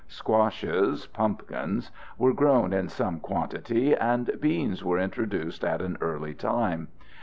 Squashes (pumpkins) were grown in some quantity, and beans were introduced at an early time.